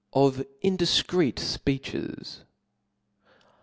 XIL Of indifcreet Speeches.